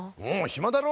暇だろ。